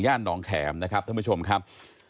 หนองแขมนะครับท่านผู้ชมครับ